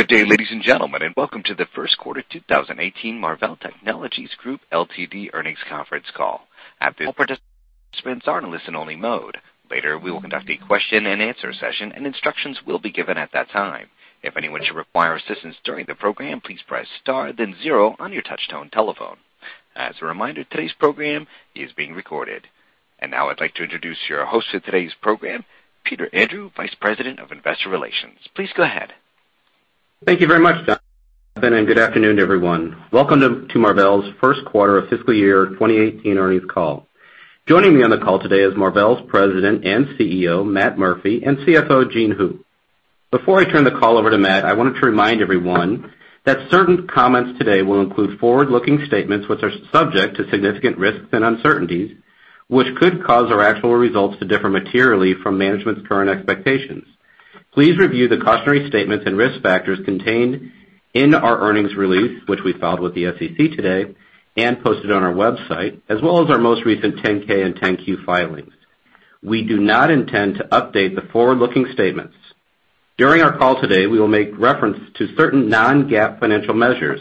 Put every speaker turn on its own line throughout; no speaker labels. Good day, ladies and gentlemen, welcome to the first quarter 2018 Marvell Technology Group Ltd. earnings conference call. All participants are in listen only mode. Later, we will conduct a question and answer session and instructions will be given at that time. If anyone should require assistance during the program, please press star then 0 on your touchtone telephone. As a reminder, today's program is being recorded. Now I'd like to introduce your host for today's program, Peter Andrew, Vice President of Investor Relations. Please go ahead.
Thank you very much, John. Good afternoon, everyone. Welcome to Marvell's first quarter of fiscal year 2018 earnings call. Joining me on the call today is Marvell's President and CEO, Matt Murphy, and CFO, Jean Hu. Before I turn the call over to Matt, I wanted to remind everyone that certain comments today will include forward-looking statements which are subject to significant risks and uncertainties, which could cause our actual results to differ materially from management's current expectations. Please review the cautionary statements and risk factors contained in our earnings release, which we filed with the SEC today and posted on our website, as well as our most recent 10-K and 10-Q filings. We do not intend to update the forward-looking statements. During our call today, we will make reference to certain non-GAAP financial measures.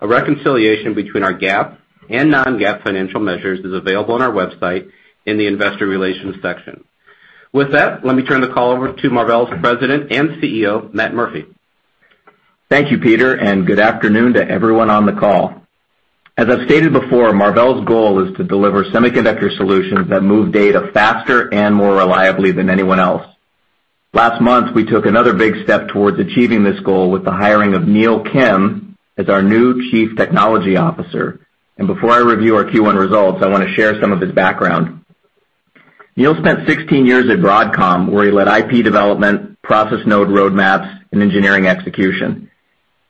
A reconciliation between our GAAP and non-GAAP financial measures is available on our website in the investor relations section. With that, let me turn the call over to Marvell's President and CEO, Matt Murphy.
Thank you, Peter. Good afternoon to everyone on the call. As I've stated before, Marvell's goal is to deliver semiconductor solutions that move data faster and more reliably than anyone else. Last month, we took another big step towards achieving this goal with the hiring of Neil Kim as our new chief technology officer. Before I review our Q1 results, I want to share some of his background. Neil spent 16 years at Broadcom, where he led IP development, process node roadmaps, and engineering execution.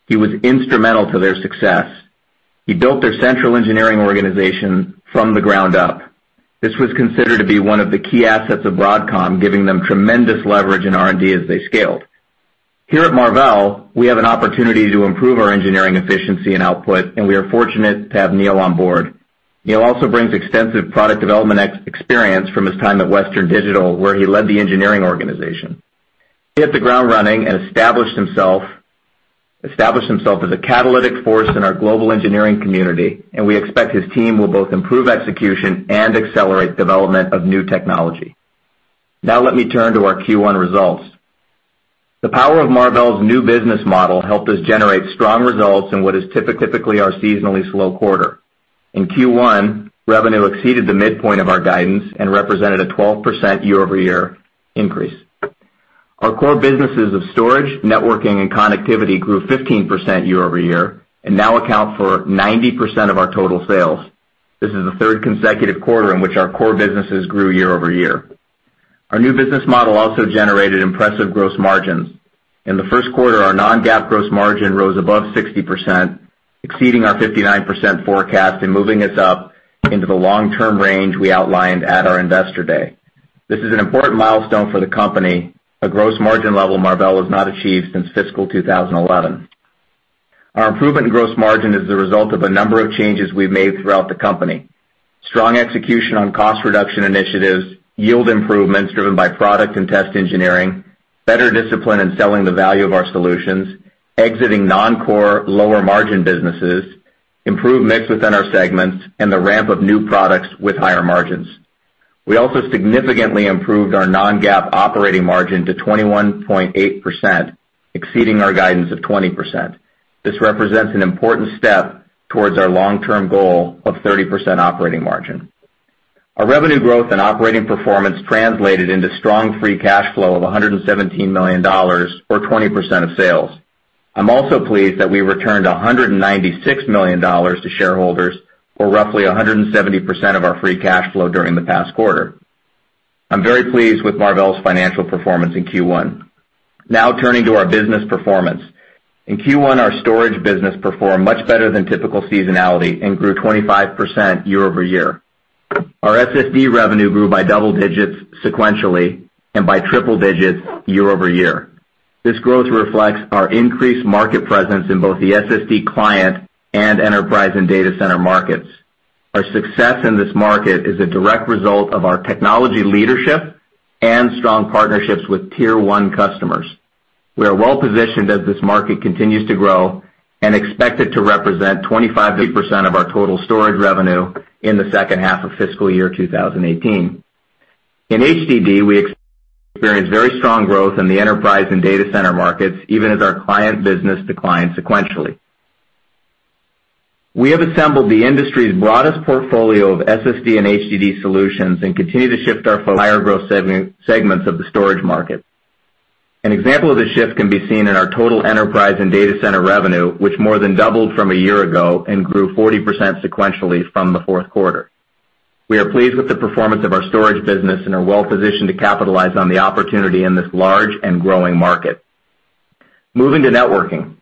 He was instrumental to their success. He built their central engineering organization from the ground up. This was considered to be one of the key assets of Broadcom, giving them tremendous leverage in R&D as they scaled. Here at Marvell, we have an opportunity to improve our engineering efficiency and output, we are fortunate to have Neil on board. Neil also brings extensive product development experience from his time at Western Digital, where he led the engineering organization. He hit the ground running and established himself as a catalytic force in our global engineering community. We expect his team will both improve execution and accelerate development of new technology. Let me turn to our Q1 results. The power of Marvell's new business model helped us generate strong results in what is typically our seasonally slow quarter. In Q1, revenue exceeded the midpoint of our guidance and represented a 12% year-over-year increase. Our core businesses of storage, networking, and connectivity grew 15% year-over-year and now account for 90% of our total sales. This is the third consecutive quarter in which our core businesses grew year-over-year. Our new business model also generated impressive gross margins. In the first quarter, our non-GAAP gross margin rose above 60%, exceeding our 59% forecast and moving us up into the long-term range we outlined at our Investor Day. This is an important milestone for the company, a gross margin level Marvell has not achieved since fiscal 2011. Our improvement in gross margin is the result of a number of changes we've made throughout the company. Strong execution on cost reduction initiatives, yield improvements driven by product and test engineering, better discipline in selling the value of our solutions, exiting non-core, lower-margin businesses, improved mix within our segments, the ramp of new products with higher margins. We also significantly improved our non-GAAP operating margin to 21.8%, exceeding our guidance of 20%. This represents an important step towards our long-term goal of 30% operating margin. Our revenue growth and operating performance translated into strong free cash flow of $117 million, or 20% of sales. I'm also pleased that we returned $196 million to shareholders, or roughly 170% of our free cash flow during the past quarter. I'm very pleased with Marvell's financial performance in Q1. Turning to our business performance. In Q1, our storage business performed much better than typical seasonality and grew 25% year-over-year. Our SSD revenue grew by double digits sequentially and by triple digits year-over-year. This growth reflects our increased market presence in both the SSD client and enterprise and data center markets. Our success in this market is a direct result of our technology leadership and strong partnerships with tier 1 customers. We are well-positioned as this market continues to grow. We expect it to represent 25%-30% of our total storage revenue in the second half of fiscal year 2018. In HDD, we experienced very strong growth in the enterprise and data center markets, even as our client business declined sequentially. We have assembled the industry's broadest portfolio of SSD and HDD solutions and continue to shift our focus to higher growth segments of the storage market. An example of this shift can be seen in our total enterprise and data center revenue, which more than doubled from a year ago and grew 40% sequentially from the fourth quarter. We are pleased with the performance of our storage business and are well-positioned to capitalize on the opportunity in this large and growing market. Moving to networking.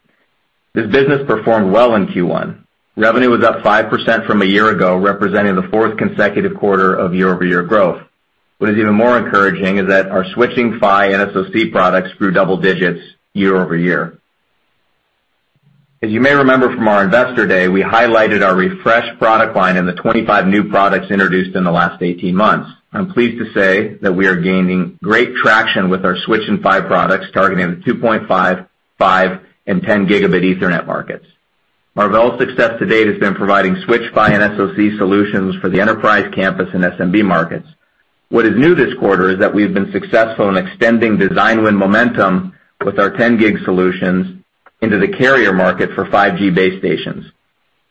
This business performed well in Q1. Revenue was up 5% from a year ago, representing the fourth consecutive quarter of year-over-year growth. What is even more encouraging is that our switching PHY and SoC products grew double digits year over year. As you may remember from our investor day, we highlighted our refreshed product line and the 25 new products introduced in the last 18 months. I'm pleased to say that we are gaining great traction with our Switch and PHY products targeting the 2.5, and 10 Gigabit Ethernet markets. Marvell's success to date has been providing Switch PHY and SoC solutions for the enterprise campus and SMB markets. What is new this quarter is that we've been successful in extending design win momentum with our 10 Gig solutions into the carrier market for 5G base stations.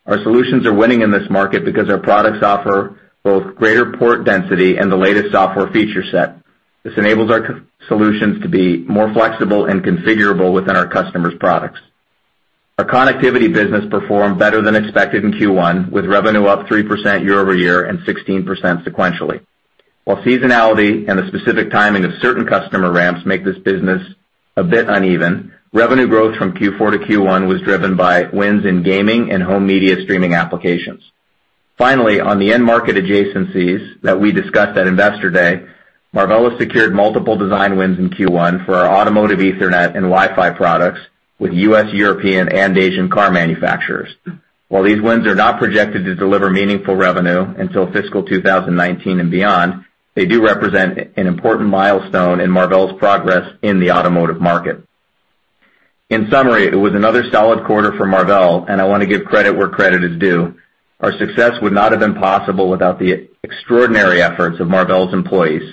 Our solutions are winning in this market because our products offer both greater port density and the latest software feature set. This enables our solutions to be more flexible and configurable within our customers' products. Our connectivity business performed better than expected in Q1, with revenue up 3% year-over-year and 16% sequentially. While seasonality and the specific timing of certain customer ramps make this business a bit uneven, revenue growth from Q4 to Q1 was driven by wins in gaming and home media streaming applications. Finally, on the end market adjacencies that we discussed at Investor Day, Marvell has secured multiple design wins in Q1 for our automotive Ethernet, and Wi-Fi products with U.S., European, and Asian car manufacturers. While these wins are not projected to deliver meaningful revenue until fiscal 2019 and beyond, they do represent an important milestone in Marvell's progress in the automotive market. In summary, it was another solid quarter for Marvell, and I want to give credit where credit is due. Our success would not have been possible without the extraordinary efforts of Marvell's employees.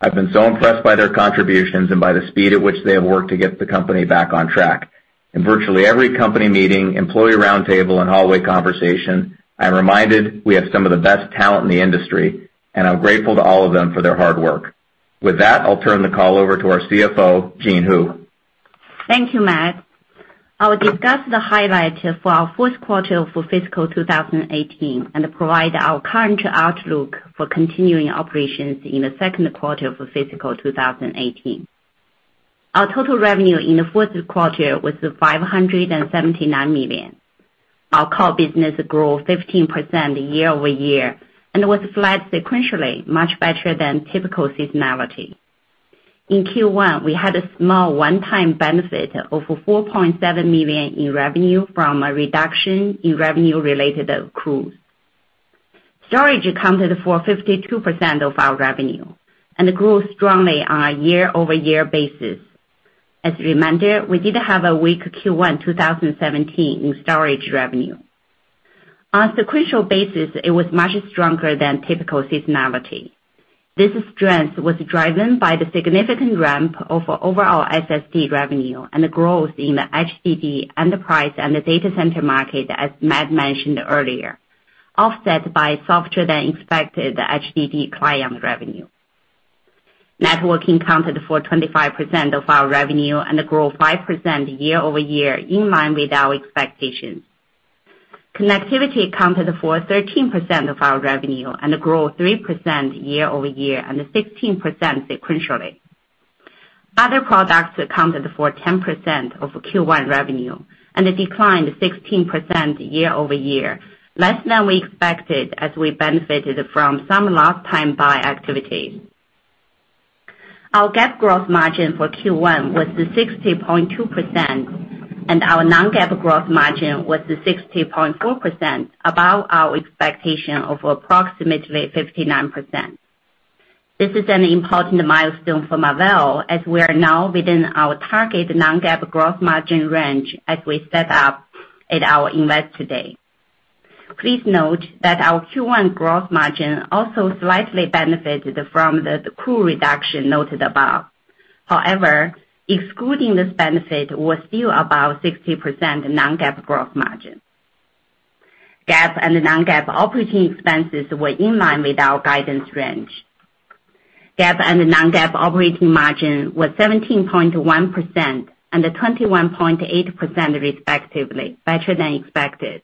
I've been so impressed by their contributions and by the speed at which they have worked to get the company back on track. In virtually every company meeting, employee roundtable, and hallway conversation, I'm reminded we have some of the best talent in the industry, and I'm grateful to all of them for their hard work. With that, I'll turn the call over to our CFO, Jean Hu.
Thank you, Matt. I will discuss the highlights for our first quarter for fiscal 2018 and provide our current outlook for continuing operations in the second quarter for fiscal 2018. Our total revenue in the first quarter was $579 million. Our core business grew 15% year-over-year and was flat sequentially, much better than typical seasonality. In Q1, we had a small one-time benefit of $4.7 million in revenue from a reduction in revenue-related accruals. Storage accounted for 52% of our revenue and grew strongly on a year-over-year basis. As a reminder, we did have a weak Q1 2017 in storage revenue. On a sequential basis, it was much stronger than typical seasonality. This strength was driven by the significant ramp of overall SSD revenue and growth in the HDD enterprise and the data center market, as Matt mentioned earlier, offset by softer-than-expected HDD client revenue. Networking accounted for 25% of our revenue and grew 5% year-over-year in line with our expectations. Connectivity accounted for 13% of our revenue and grew 3% year-over-year and 16% sequentially. Other products accounted for 10% of Q1 revenue and declined 16% year-over-year, less than we expected as we benefited from some last-time buy activity. Our GAAP gross margin for Q1 was 60.2%, and our non-GAAP gross margin was 60.4%, above our expectation of approximately 59%. This is an important milestone for Marvell as we are now within our target non-GAAP gross margin range as we set out at our Investor Day. Please note that our Q1 gross margin also slightly benefited from the accrual reduction noted above. However, excluding this benefit was still above 60% non-GAAP gross margin. GAAP and non-GAAP operating expenses were in line with our guidance range. GAAP and non-GAAP operating margin was 17.1% and 21.8%, respectively, better than expected.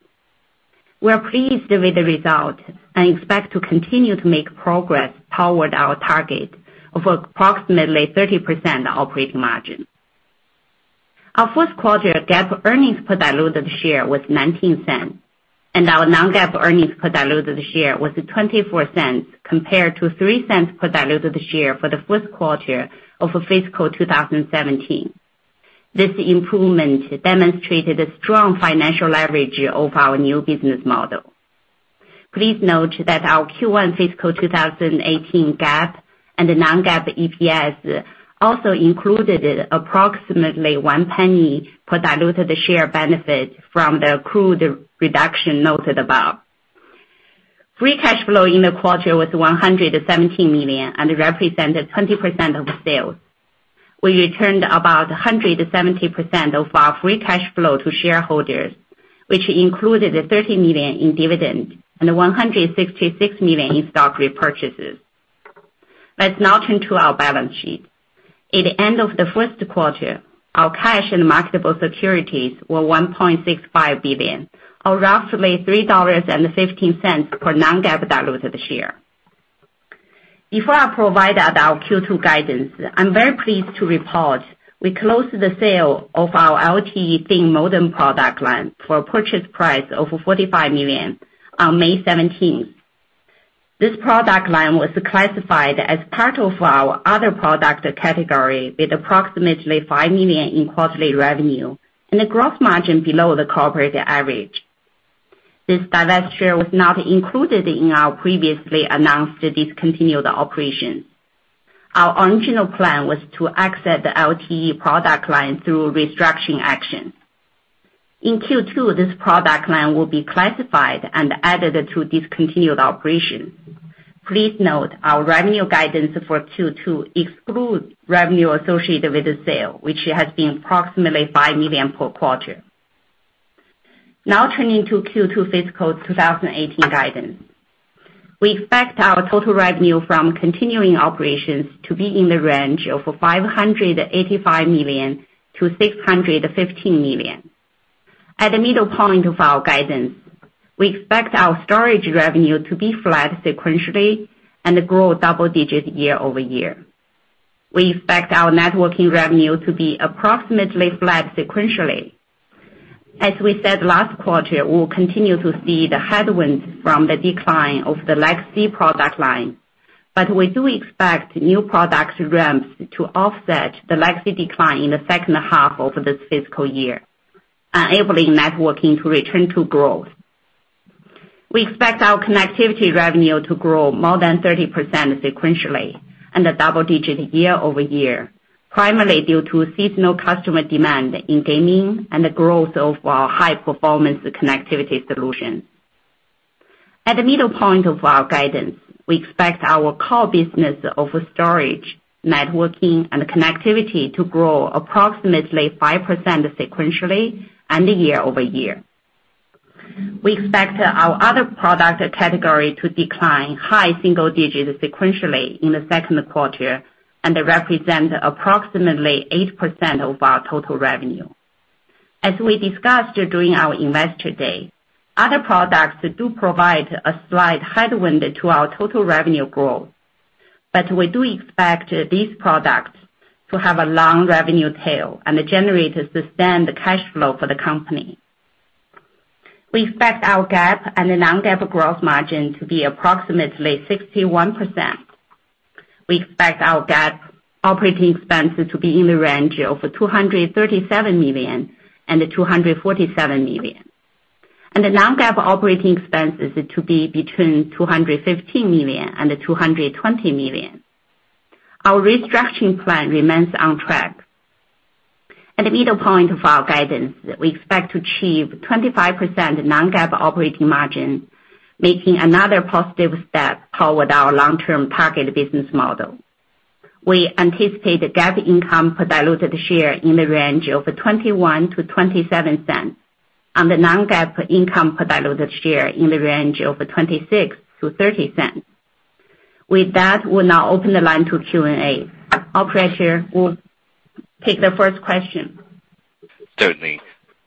We are pleased with the result and expect to continue to make progress toward our target of approximately 30% operating margin. Our first quarter GAAP earnings per diluted share was $0.19, and our non-GAAP earnings per diluted share was $0.24 compared to $0.03 per diluted share for the ffirst quarter of fiscal 2017. This improvement demonstrated a strong financial leverage of our new business model. Please note that our Q1 fiscal 2018 GAAP and non-GAAP EPS also included approximately $0.01 per diluted share benefit from the accrual reduction noted above. Free cash flow in the quarter was $117 million and represented 20% of sales. We returned about 170% of our free cash flow to shareholders, which included $30 million in dividends and $166 million in stock repurchases. Let's now turn to our balance sheet. At the end of the first quarter, our cash and marketable securities were $1.65 billion, or roughly $3.15 per non-GAAP diluted share. Before I provide our Q2 guidance, I am very pleased to report we closed the sale of our IoT LTE Thin-Modem product line for a purchase price of $45 million on May 17. This product line was classified as part of our other product category, with approximately $5 million in quarterly revenue and a gross margin below the corporate average. This divestiture was not included in our previously announced discontinued operation. Our original plan was to exit the LTE product line through restructuring action. In Q2, this product line will be classified and added to discontinued operation. Please note our revenue guidance for Q2 excludes revenue associated with the sale, which has been approximately $5 million per quarter. Turning to Q2 fiscal 2018 guidance. We expect our total revenue from continuing operations to be in the range of $585 million-$615 million. At the middle point of our guidance, we expect our storage revenue to be flat sequentially and grow double digits year-over-year. We expect our networking revenue to be approximately flat sequentially. As we said last quarter, we will continue to see the headwinds from the decline of the legacy product line, but we do expect new product ramps to offset the legacy decline in the second half of this fiscal year, enabling networking to return to growth. We expect our connectivity revenue to grow more than 30% sequentially and double digits year-over-year, primarily due to seasonal customer demand in gaming and the growth of our high-performance connectivity solution. At the middle point of our guidance, we expect our core business of storage, networking, and connectivity to grow approximately 5% sequentially and year-over-year. We expect our other product category to decline high single digits sequentially in the second quarter and represent approximately 8% of our total revenue. As we discussed during our Investor Day, other products do provide a slight headwind to our total revenue growth, but we do expect these products to have a long revenue tail and generate sustained cash flow for the company. We expect our GAAP and the non-GAAP gross margin to be approximately 61%. We expect our GAAP operating expenses to be in the range of $237 million and $247 million, and the non-GAAP operating expenses to be between $215 million and $220 million. Our restructuring plan remains on track. At the middle point of our guidance, we expect to achieve 25% non-GAAP operating margin, making another positive step toward our long-term target business model. We anticipate GAAP income per diluted share in the range of $0.21 to $0.27 and the non-GAAP income per diluted share in the range of $0.26 to $0.30. With that, we'll now open the line to Q&A. Operator, we'll take the first question.
Certainly.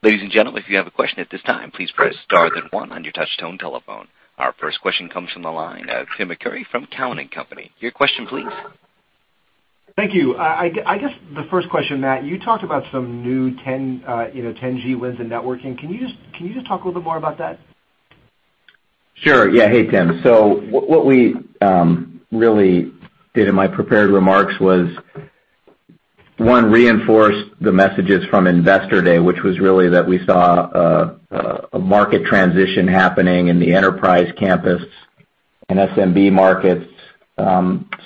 Ladies and gentlemen, if you have a question at this time, please press star then one on your touchtone telephone. Our first question comes from the line of Timothy Arcuri from Cowen and Company. Your question please.
Thank you. I guess the first question, Matt, you talked about some new 10G wins in networking. Can you just talk a little more about that?
Sure. Yeah. Hey, Tim. What we really did in my prepared remarks was, one, reinforce the messages from Investor Day, which was really that we saw a market transition happening in the enterprise campus and SMB markets,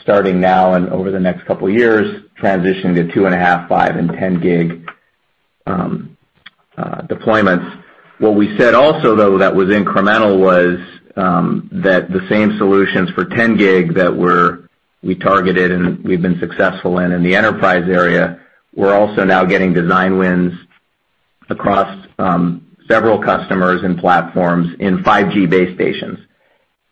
starting now and over the next couple of years, transitioning to two and a half, five, and 10 gig deployments. What we said also, though, that was incremental was that the same solutions for 10 gig that we targeted and we've been successful in in the enterprise area, we're also now getting design wins across several customers and platforms in 5G base stations.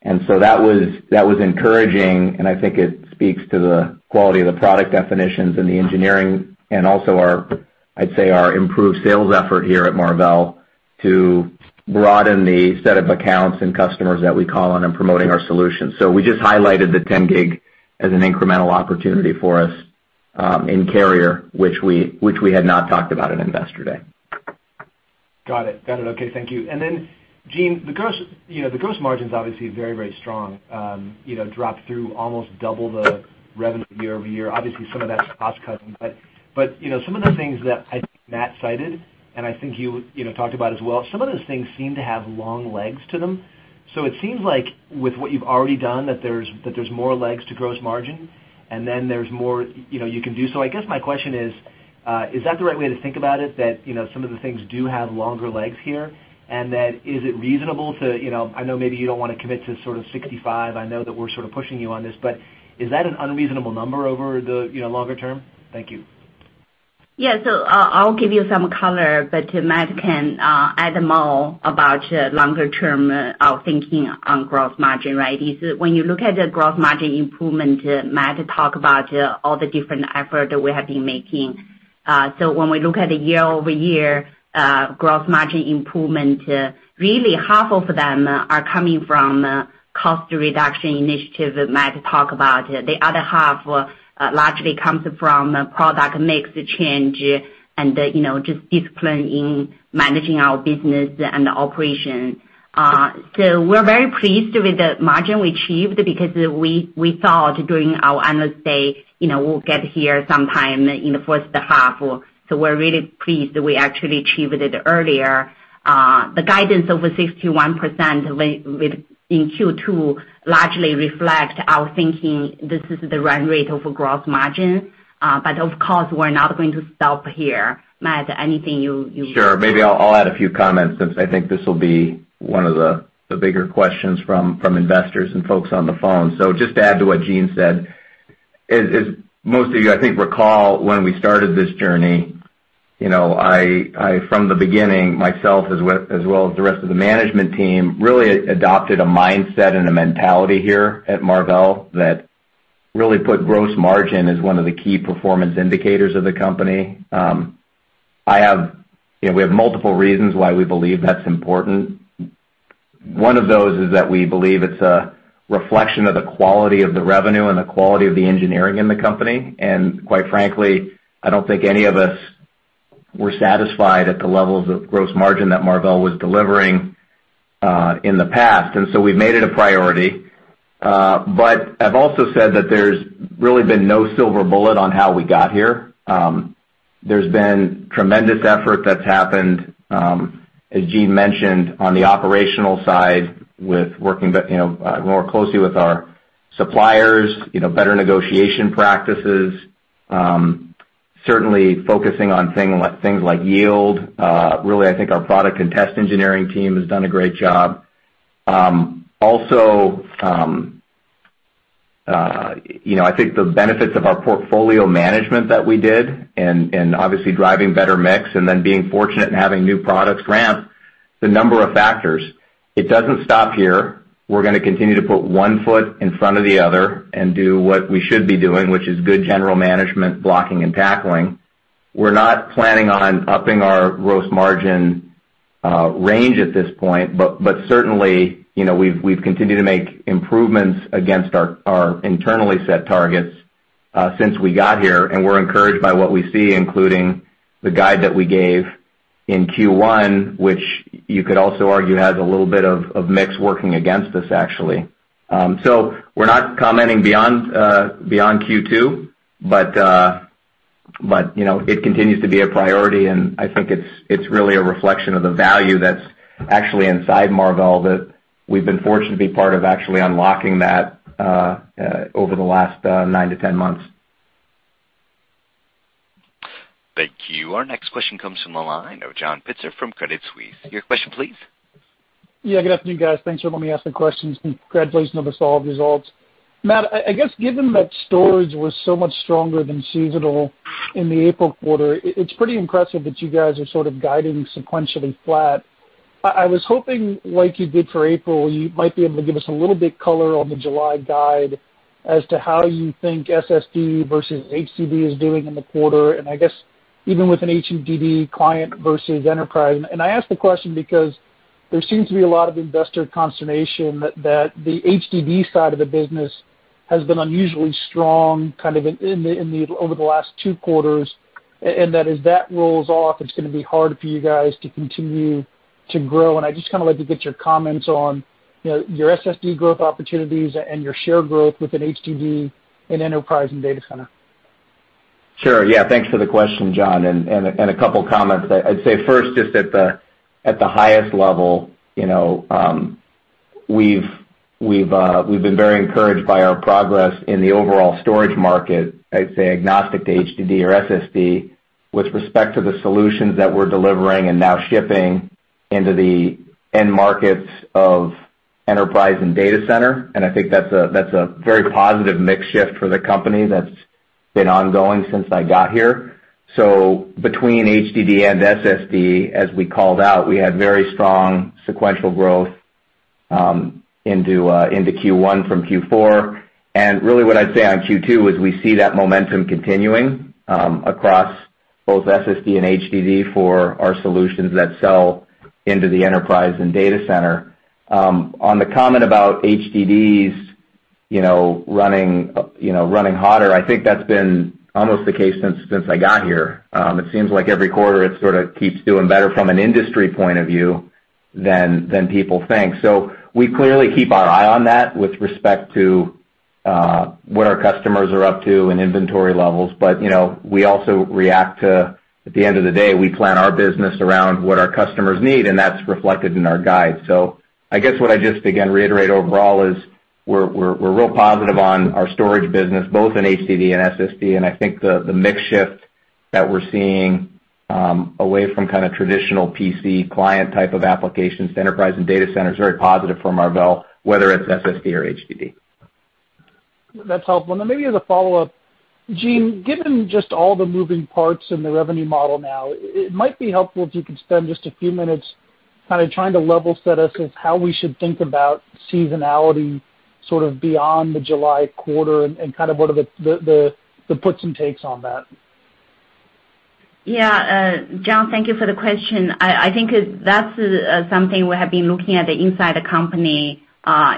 That was encouraging, and I think it speaks to the quality of the product definitions and the engineering and also, I'd say, our improved sales effort here at Marvell to broaden the set of accounts and customers that we call on in promoting our solutions. We just highlighted the 10 gig as an incremental opportunity for us in carrier, which we had not talked about at Investor Day.
Got it. Okay, thank you. Then, Jean, the gross margin is obviously very strong. Drop-through almost double the revenue year-over-year. Obviously, some of that's cost-cutting. Some of the things that I think Matt cited, and I think you talked about as well, some of those things seem to have long legs to them. It seems like with what you've already done, that there's more legs to gross margin and then there's more you can do. I guess my question is: Is that the right way to think about it? That some of the things do have longer legs here, and that is it reasonable to, I know maybe you don't want to commit to sort of 65. I know that we're sort of pushing you on this, but is that an unreasonable number over the longer term? Thank you.
Yeah. I'll give you some color, but Matt can add more about the longer-term thinking on gross margin, right? When you look at the gross margin improvement, Matt talked about all the different efforts that we have been making. When we look at the year-over-year gross margin improvement, really half of them are coming from cost reduction initiatives that Matt talked about. The other half largely comes from product mix change and just discipline in managing our business and the operation. We're very pleased with the margin we achieved because we thought during our analyst day, we'll get here sometime in the first half. We're really pleased we actually achieved it earlier. The guidance over 61% in Q2 largely reflects our thinking this is the run rate of gross margin. Of course, we're not going to stop here. Matt, anything you-
Sure. Maybe I'll add a few comments since I think this will be one of the bigger questions from investors and folks on the phone. Just to add to what Jean Hu said, as most of you, I think, recall when we started this journey, I, from the beginning, myself, as well as the rest of the management team, really adopted a mindset and a mentality here at Marvell that really put gross margin as one of the key performance indicators of the company. We have multiple reasons why we believe that's important. One of those is that we believe it's a reflection of the quality of the revenue and the quality of the engineering in the company. Quite frankly, I don't think any of us were satisfied at the levels of gross margin that Marvell was delivering in the past. We've made it a priority. I've also said that there's really been no silver bullet on how we got here. There's been tremendous effort that's happened, as Jean Hu mentioned, on the operational side with working more closely with our suppliers, better negotiation practices. Certainly focusing on things like yield. Really, I think our product and test engineering team has done a great job. Also, I think the benefits of our portfolio management that we did and obviously driving better mix and then being fortunate in having new products ramp, the number of factors. It doesn't stop here. We're going to continue to put one foot in front of the other and do what we should be doing, which is good general management, blocking and tackling. Certainly, we've continued to make improvements against our internally set targets since we got here. We're encouraged by what we see, including the guide that we gave in Q1, which you could also argue has a little bit of mix working against us, actually. We're not commenting beyond Q2, but it continues to be a priority, and I think it's really a reflection of the value that's actually inside Marvell that we've been fortunate to be part of actually unlocking that over the last nine to 10 months.
Thank you. Our next question comes from the line of John Pitzer from Credit Suisse. Your question, please.
good afternoon, guys. Thanks for letting me ask the questions, and congratulations on the solid results. Matt, I guess given that storage was so much stronger than seasonal in the April quarter, it's pretty impressive that you guys are sort of guiding sequentially flat. I was hoping, like you did for April, you might be able to give us a little bit color on the July guide as to how you think SSD versus HDD is doing in the quarter, and I guess even within HDD, client versus enterprise. I ask the question because there seems to be a lot of investor consternation that the HDD side of the business has been unusually strong kind of over the last two quarters, and that as that rolls off, it's going to be hard for you guys to continue to grow. I'd just kind of like to get your comments on your SSD growth opportunities and your share growth within HDD in enterprise and data center.
Sure. Yeah. Thanks for the question, John, and a couple of comments. I'd say first, just at the highest level, we've been very encouraged by our progress in the overall storage market, I'd say agnostic to HDD or SSD, with respect to the solutions that we're delivering and now shipping into the end markets of enterprise and data center. I think that's a very positive mix shift for the company that's been ongoing since I got here. Between HDD and SSD, as we called out, we had very strong sequential growth into Q1 from Q4. Really what I'd say on Q2 is we see that momentum continuing across both SSD and HDD for our solutions that sell into the enterprise and data center. On the comment about HDDs running hotter, I think that's been almost the case since I got here. It seems like every quarter it sort of keeps doing better from an industry point of view than people think. We clearly keep our eye on that with respect to what our customers are up to and inventory levels. We also react to, at the end of the day, we plan our business around what our customers need, and that's reflected in our guide. I guess what I just, again, reiterate overall is we're real positive on our storage business, both in HDD and SSD. I think the mix shift that we're seeing away from kind of traditional PC client type of applications to enterprise and data center is very positive for Marvell, whether it's SSD or HDD.
That's helpful. Then maybe as a follow-up, Jean, given just all the moving parts in the revenue model now, it might be helpful if you could spend just a few minutes Kind of trying to level set us is how we should think about seasonality sort of beyond the July quarter and kind of what are the puts and takes on that.
Yeah. John, thank you for the question. I think that's something we have been looking at inside the company.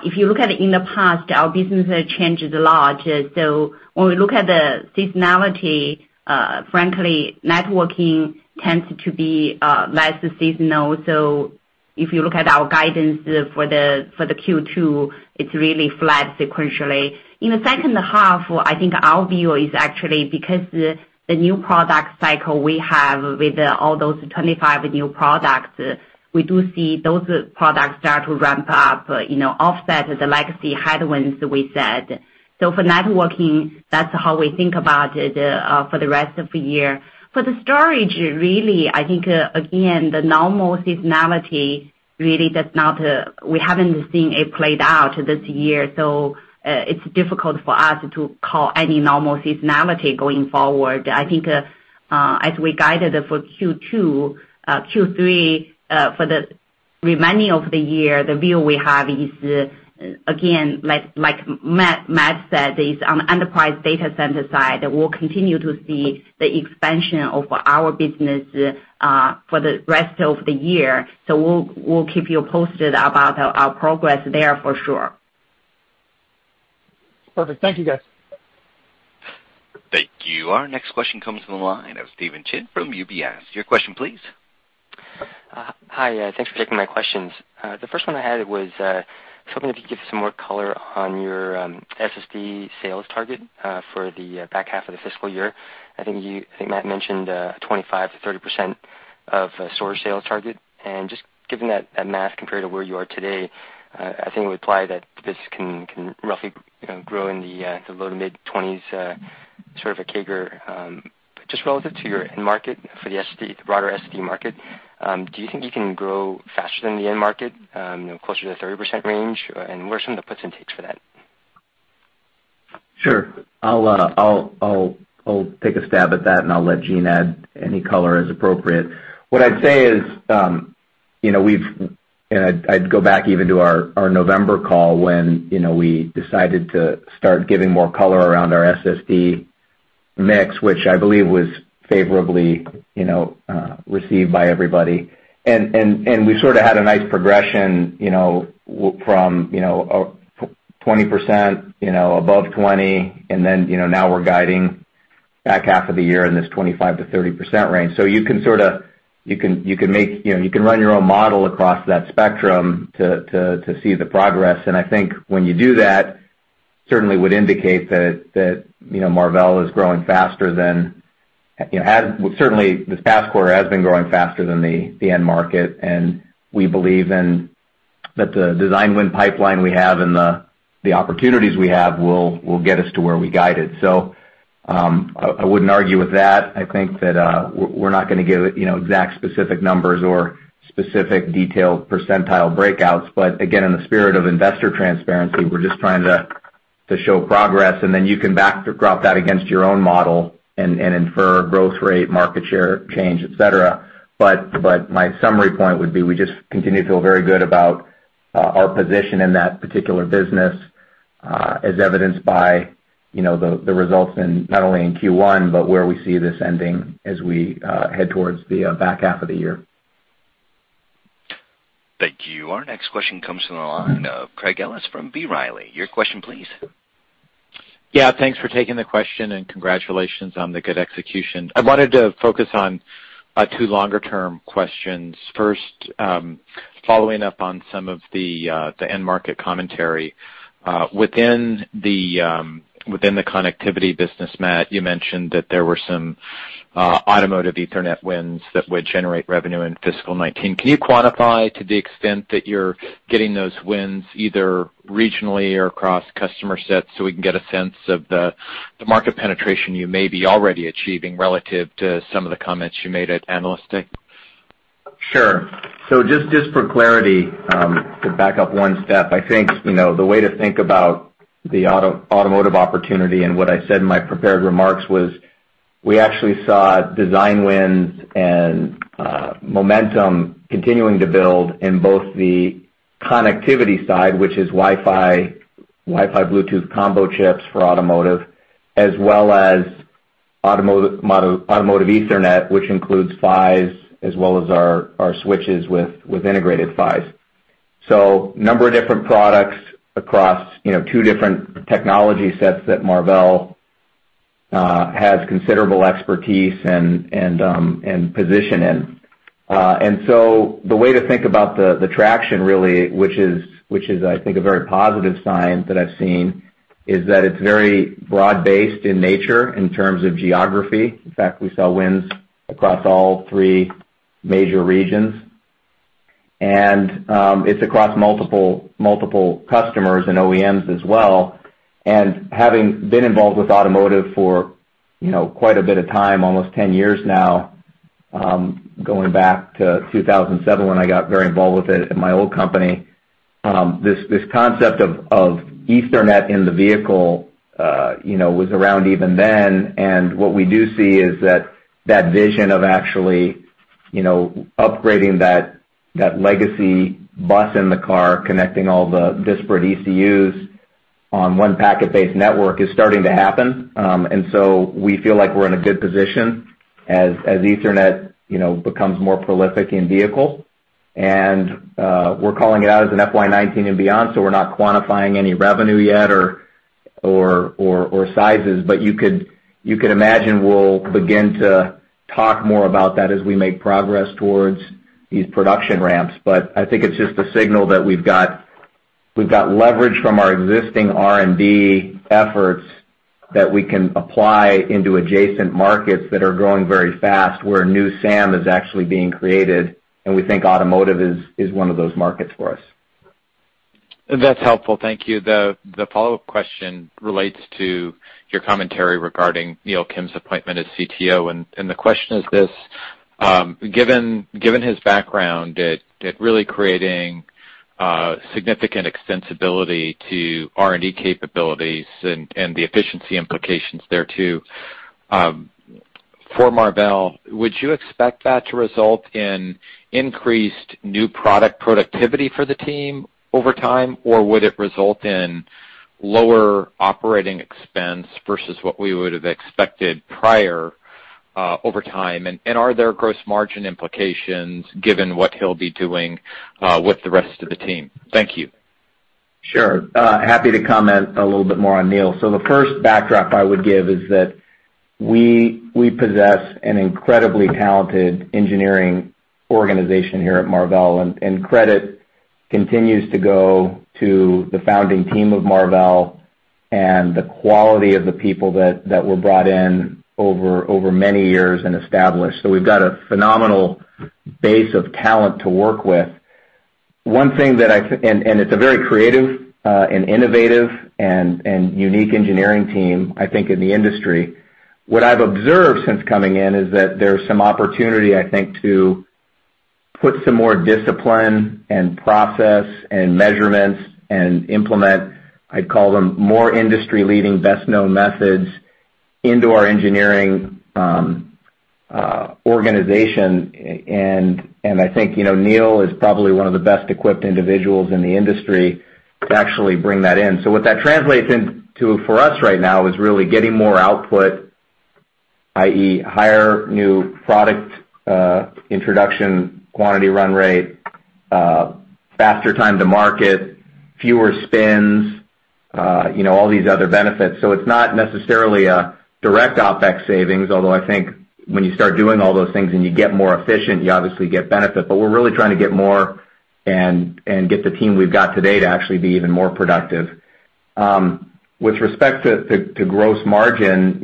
If you look at it in the past, our business has changed a lot. When we look at the seasonality, frankly, networking tends to be less seasonal. If you look at our guidance for the Q2, it's really flat sequentially. In the second half, I think our view is actually because the new product cycle we have with all those 25 new products, we do see those products start to ramp up, offset the legacy headwinds that we said. For networking, that's how we think about it for the rest of the year. For the storage, really, I think, again, the normal seasonality really we haven't seen it played out this year, it's difficult for us to call any normal seasonality going forward. I think, as we guided for Q2, Q3, for the remaining of the year, the view we have is, again, like Matt said, is on the enterprise data center side, that we'll continue to see the expansion of our business for the rest of the year. We'll keep you posted about our progress there for sure.
Perfect. Thank you, guys.
Thank you. Our next question comes from the line of Stephen Chin from UBS. Your question, please.
Hi. Thanks for taking my questions. The first one I had was, hoping if you could give some more color on your SSD sales target for the back half of the fiscal year. I think Matt mentioned 25%-30% of storage sales target. Just given that math compared to where you are today, I think it would imply that this can roughly grow in the low to mid-20s, sort of a CAGR. Just relative to your end market for the broader SSD market, do you think you can grow faster than the end market, closer to the 30% range? What are some of the puts and takes for that?
Sure. I'll take a stab at that, and I'll let Jean add any color as appropriate. What I'd say is, I'd go back even to our November call when we decided to start giving more color around our SSD mix, which I believe was favorably received by everybody. We sort of had a nice progression from 20%, above 20, and then now we're guiding back half of the year in this 25%-30% range. You can run your own model across that spectrum to see the progress, and I think when you do that, certainly would indicate that Marvell is growing faster than this past quarter has been growing faster than the end market, and we believe in that the design win pipeline we have and the opportunities we have will get us to where we guided. I wouldn't argue with that. I think that we're not going to give exact specific numbers or specific detailed percentile breakouts. Again, in the spirit of investor transparency, we're just trying to show progress, and you can backdrop that against your own model and infer growth rate, market share change, et cetera. My summary point would be, we just continue to feel very good about our position in that particular business, as evidenced by the results not only in Q1, but where we see this ending as we head towards the back half of the year.
Thank you. Our next question comes from the line of Craig Ellis from B. Riley. Your question, please.
Yeah, thanks for taking the question, and congratulations on the good execution. I wanted to focus on two longer-term questions. First, following up on some of the end market commentary. Within the connectivity business, Matt, you mentioned that there were some automotive Ethernet wins that would generate revenue in fiscal 2019. Can you quantify to the extent that you're getting those wins, either regionally or across customer sets, so we can get a sense of the market penetration you may be already achieving relative to some of the comments you made at Analyst Day?
Just for clarity, to back up one step, I think the way to think about the automotive opportunity and what I said in my prepared remarks was, we actually saw design wins and momentum continuing to build in both the connectivity side, which is Wi-Fi/Bluetooth combo chips for automotive, as well as automotive Ethernet, which includes PHYs, as well as our switches with integrated PHYs. Number of different products across two different technology sets that Marvell has considerable expertise and position in. The way to think about the traction, really, which is, I think, a very positive sign that I've seen, is that it's very broad-based in nature in terms of geography. In fact, we saw wins across all three major regions. It's across multiple customers and OEMs as well. Having been involved with automotive for quite a bit of time, almost 10 years now, going back to 2007 when I got very involved with it at my old company. This concept of Ethernet in the vehicle was around even then. What we do see is that vision of actually upgrading that legacy bus in the car, connecting all the disparate ECUs on one packet-based network is starting to happen. We feel like we're in a good position as Ethernet becomes more prolific in vehicle. We're calling it out as an FY 2019 and beyond, so we're not quantifying any revenue yet or sizes. You could imagine we'll begin to talk more about that as we make progress towards these production ramps. I think it's just a signal that we've got leverage from our existing R&D efforts that we can apply into adjacent markets that are growing very fast, where new SAM is actually being created, and we think automotive is one of those markets for us.
That's helpful. Thank you. The follow-up question relates to your commentary regarding Neil Kim's appointment as CTO, the question is this: Given his background at really creating significant extensibility to R&D capabilities and the efficiency implications thereto for Marvell, would you expect that to result in increased new product productivity for the team over time? Would it result in lower operating expense versus what we would have expected prior over time? Are there gross margin implications given what he'll be doing with the rest of the team? Thank you.
Sure. Happy to comment a little bit more on Neil. The first backdrop I would give is that we possess an incredibly talented engineering organization here at Marvell, credit continues to go to the founding team of Marvell and the quality of the people that were brought in over many years and established. We've got a phenomenal base of talent to work with. It's a very creative and innovative and unique engineering team, I think, in the industry. What I've observed since coming in is that there's some opportunity, I think, to put some more discipline and process and measurements and implement, I'd call them, more industry-leading best-known methods into our engineering organization. I think Neil is probably one of the best-equipped individuals in the industry to actually bring that in. What that translates into for us right now is really getting more output, i.e., higher new product introduction, quantity run rate, faster time to market, fewer spins, all these other benefits. It's not necessarily a direct OPEX savings, although I think when you start doing all those things and you get more efficient, you obviously get benefit. We're really trying to get more and get the team we've got today to actually be even more productive. With respect to gross margin,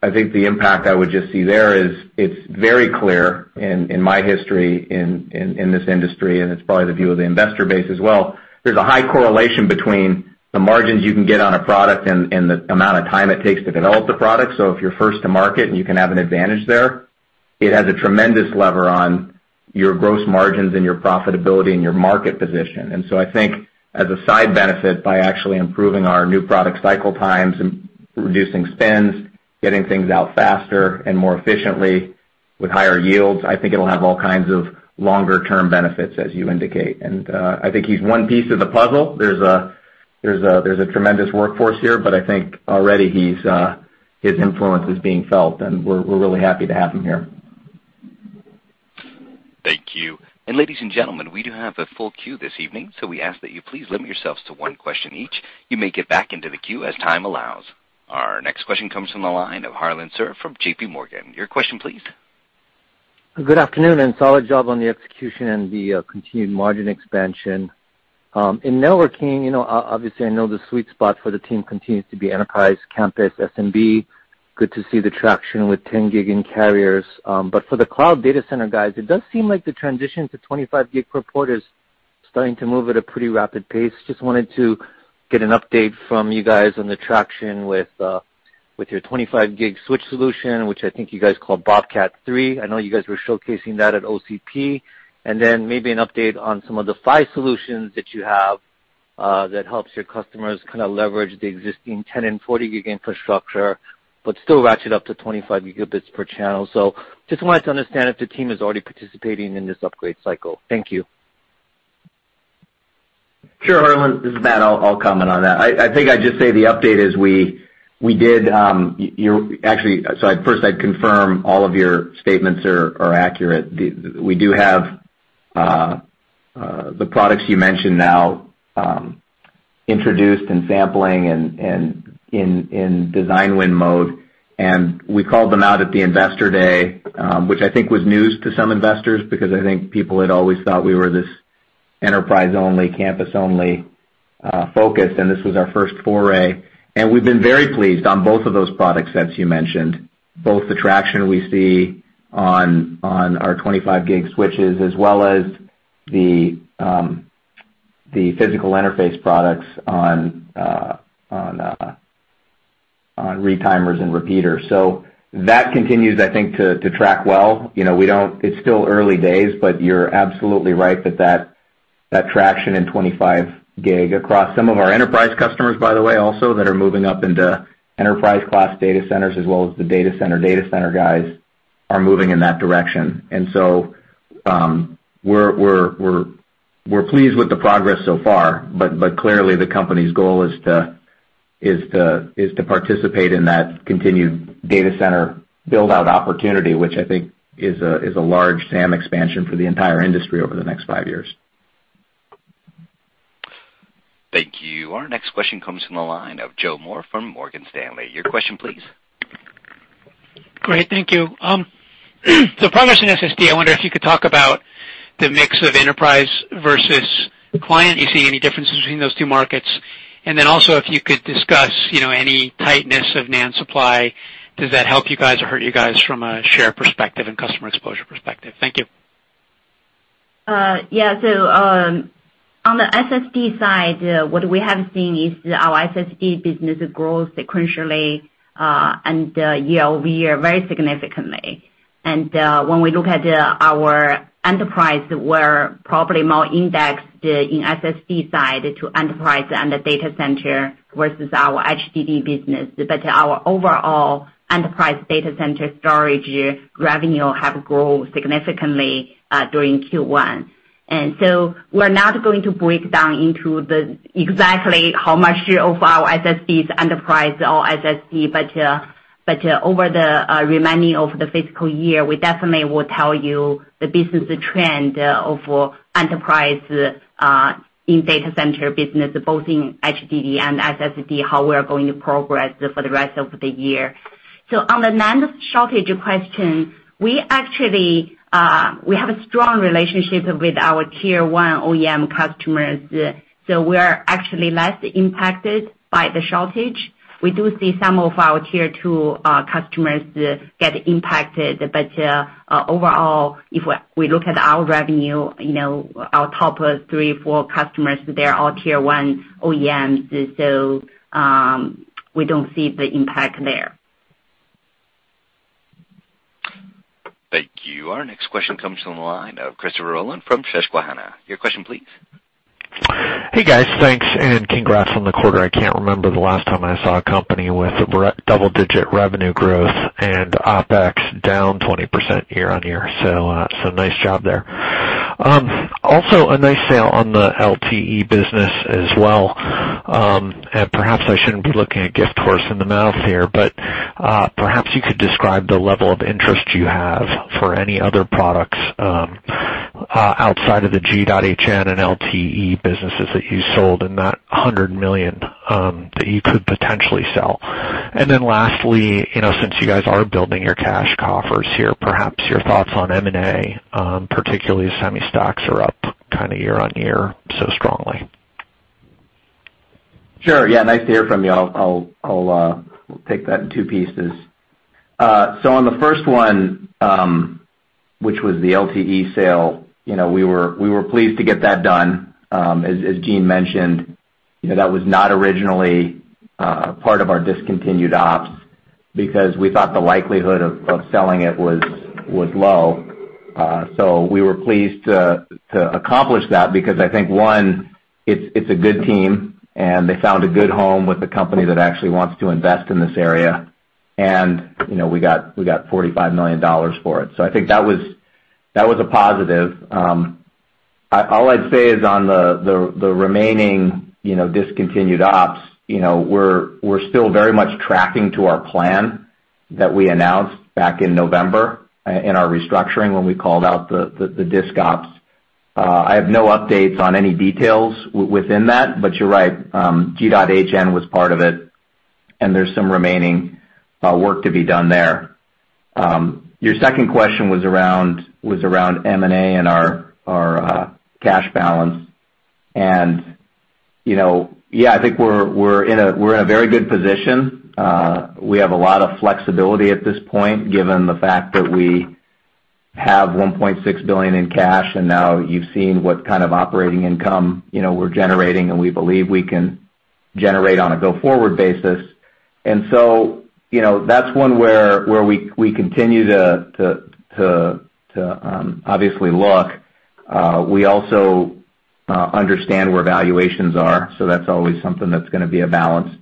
I think the impact I would just see there is it's very clear in my history in this industry, it's probably the view of the investor base as well. There's a high correlation between the margins you can get on a product and the amount of time it takes to develop the product. If you're first to market and you can have an advantage there, it has a tremendous lever on your gross margins and your profitability and your market position. I think as a side benefit, by actually improving our new product cycle times and reducing spins, getting things out faster and more efficiently with higher yields, I think it'll have all kinds of longer-term benefits as you indicate. I think he's one piece of the puzzle. There's a tremendous workforce here, but I think already his influence is being felt, and we're really happy to have him here.
Thank you. Ladies and gentlemen, we do have a full queue this evening, we ask that you please limit yourselves to one question each. You may get back into the queue as time allows. Our next question comes from the line of Harlan Sur from J.P. Morgan. Your question please.
Good afternoon, solid job on the execution and the continued margin expansion. In networking, obviously, I know the sweet spot for the team continues to be enterprise, campus, SMB. Good to see the traction with 10 Gig in carriers. For the cloud data center guys, it does seem like the transition to 25 Gig per port is starting to move at a pretty rapid pace. Just wanted to get an update from you guys on the traction with your 25 Gig switch solution, which I think you guys call Bobcat 3. I know you guys were showcasing that at OCP. Maybe an update on some of the PHY solutions that you have that helps your customers kind of leverage the existing 10 and 40 Gig infrastructure, but still ratchet up to 25 gigabits per channel. Just wanted to understand if the team is already participating in this upgrade cycle. Thank you.
Sure, Harlan, this is Matt. I'll comment on that. I think I'd just say the update is first I'd confirm all of your statements are accurate. We do have the products you mentioned now introduced in sampling and in design win mode. We called them out at the Investor Day, which I think was news to some investors because I think people had always thought we were this enterprise-only, campus-only focus, and this was our first foray. We've been very pleased on both of those product sets you mentioned, both the traction we see on our 25 Gig switches, as well as the physical interface products on retimers and repeaters. That continues, I think, to track well. It's still early days, you're absolutely right that traction in 25 Gig across some of our enterprise customers, by the way, also that are moving up into enterprise class data centers, as well as the data center guys are moving in that direction. We're pleased with the progress so far, clearly the company's goal is to participate in that continued data center build-out opportunity, which I think is a large SAM expansion for the entire industry over the next 5 years.
Thank you. Our next question comes from the line of Joseph Moore from Morgan Stanley. Your question please.
Great. Thank you. Progress in SSD, I wonder if you could talk about the mix of enterprise versus client. You see any differences between those two markets? Also if you could discuss any tightness of NAND supply, does that help you guys or hurt you guys from a share perspective and customer exposure perspective? Thank you.
Yeah. On the SSD side, what we have seen is our SSD business grows sequentially, and year-over-year very significantly. When we look at our enterprise, we're probably more indexed in SSD side to enterprise and the data center versus our HDD business. Our overall enterprise data center storage revenue have grown significantly during Q1. We're not going to break down into exactly how much of our SSD is enterprise or SSD. Over the remaining of the fiscal year, we definitely will tell you the business trend of enterprise, in data center business, both in HDD and SSD, how we're going to progress for the rest of the year. On the NAND shortage question, we have a strong relationship with our tier 1 OEM customers, so we're actually less impacted by the shortage. We do see some of our tier 2 customers get impacted. Overall, if we look at our revenue, our top three, four customers, they're all tier 1 OEMs. We don't see the impact there.
Thank you. Our next question comes from the line of Christopher Rolland from Susquehanna. Your question please.
Hey, guys. Thanks, and congrats on the quarter. I can't remember the last time I saw a company with double-digit revenue growth and OPEX down 20% year-on-year. Nice job there. Also a nice sale on the LTE business as well. Perhaps I shouldn't be looking a gift horse in the mouth here, but, perhaps you could describe the level of interest you have for any other products outside of the G.hn and LTE businesses that you sold in that $100 million, that you could potentially sell. Lastly, since you guys are building your cash coffers here, perhaps your thoughts on M&A, particularly as semi stocks are up year-on-year so strongly.
Sure. Yeah. Nice to hear from you. I'll take that in two pieces. On the first one, which was the LTE sale, we were pleased to get that done. As Jean mentioned, that was not originally part of our discontinued ops because we thought the likelihood of selling it was low. We were pleased to accomplish that because I think, one, it's a good team, and they found a good home with a company that actually wants to invest in this area. We got $45 million for it. I think that was a positive. All I'd say is on the remaining discontinued ops, we're still very much tracking to our plan that we announced back in November in our restructuring when we called out the disc ops. I have no updates on any details within that, you're right, G.hn was part of it, and there's some remaining work to be done there. Your second question was around M&A and our cash balance. Yeah, I think we're in a very good position. We have a lot of flexibility at this point, given the fact that we have $1.6 billion in cash, and now you've seen what kind of operating income we're generating and we believe we can generate on a go-forward basis. That's one where we continue to obviously look. We also understand where valuations are, that's always something that's going to be a balance.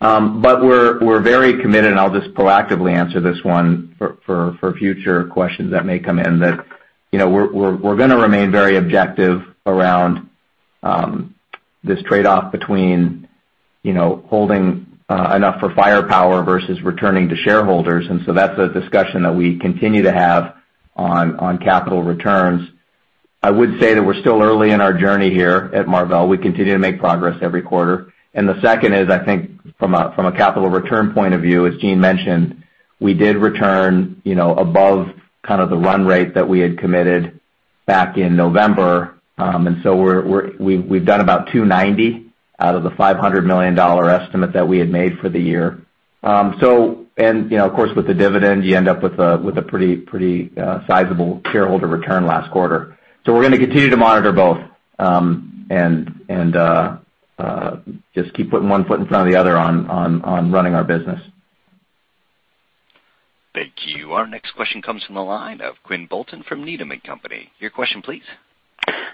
We're very committed, and I'll just proactively answer this one for future questions that may come in that we're going to remain very objective around this trade-off between holding enough for firepower versus returning to shareholders. That's a discussion that we continue to have on capital returns. I would say that we're still early in our journey here at Marvell. We continue to make progress every quarter. The second is, I think from a capital return point of view, as Jean mentioned, we did return above kind of the run rate that we had committed back in November. We've done about $290 million out of the $500 million estimate that we had made for the year. Of course, with the dividend, you end up with a pretty sizable shareholder return last quarter. We're going to continue to monitor both. Just keep putting one foot in front of the other on running our business.
Thank you. Our next question comes from the line of Quinn Bolton from Needham & Company. Your question, please.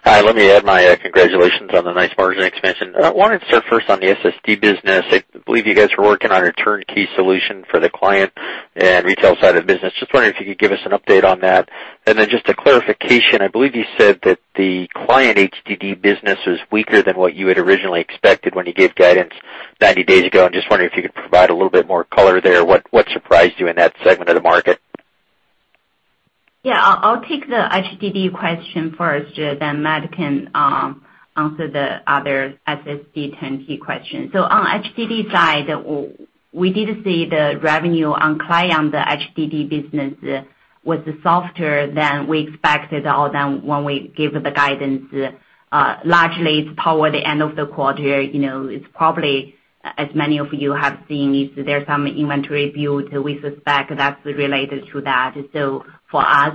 Hi, let me add my congratulations on the nice margin expansion. I wanted to start first on the SSD business. I believe you guys were working on a turnkey solution for the client and retail side of the business. Just wondering if you could give us an update on that. Then just a clarification, I believe you said that the client HDD business was weaker than what you had originally expected when you gave guidance 90 days ago. I'm just wondering if you could provide a little bit more color there. What surprised you in that segment of the market?
Yeah, I'll take the HDD question first, then Matt can answer the other SSD turnkey question. On HDD side, we did see the revenue on client, the HDD business was softer than we expected or than when we gave the guidance. Largely, it's toward the end of the quarter. It's probably, as many of you have seen, there's some inventory build. We suspect that's related to that. For us,